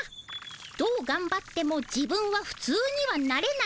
どうがんばっても自分はふつうにはなれない。